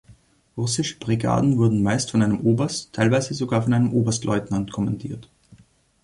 Russische Brigaden wurden meist von einem Oberst, teilweise sogar von einem Oberstleutnant kommandiert.